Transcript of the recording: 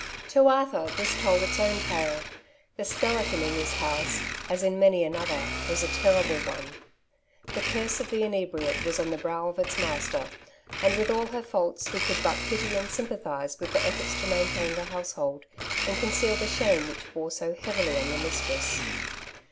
To Arthur this told its own tale ; the skeleton in this house, as in many another, was a terrible one. The curse of the inebriate was on the brow of its master, and with all her faults he could but pity and sympathize with the efforts to maintain the household, and conceal the shame which bore so heavily on the mistress.